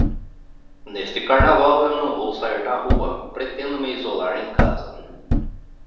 Neste Carnaval eu não vou sair na rua, pretendo me isolar em casa.